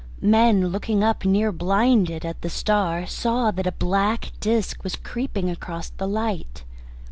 Men looking up, near blinded, at the star, saw that a black disc was creeping across the light.